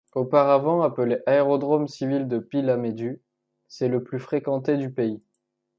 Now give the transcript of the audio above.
Auparavant appelé Aérodrome Civil de Peelamedu, c'est le le plus fréquenté du pays.